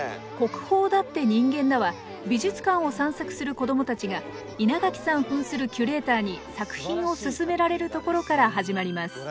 「国宝だって人間だ！」は美術館を散策する子どもたちが稲垣さんふんするキュレーターに作品をすすめられるところから始まります。